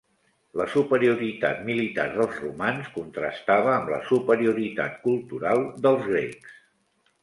La superioritat militar dels romans contrastava amb la superioritat cultural dels grecs.